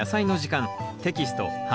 テキスト８